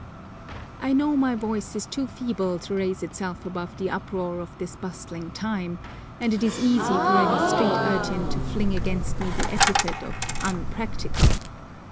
I know my voice is too feeble to raise itself above the uproar of this bustling time, and it is easy for any street urchin to fling against me the epithet of 'unpractical.'